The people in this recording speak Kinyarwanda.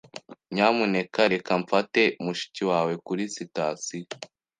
Nyamuneka reka mfate mushiki wawe kuri sitasiyo.